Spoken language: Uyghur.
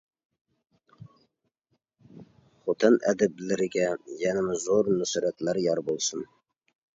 خوتەن ئەدىبلىرىگە يەنىمۇ زور نۇسرەتلەر يار بولسۇن!